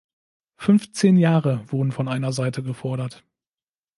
Fünfzehn Jahre wurden von einer Seite gefordert.